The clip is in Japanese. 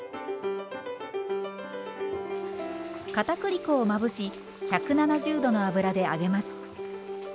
かたくり粉をまぶし１７０℃の油で揚げます。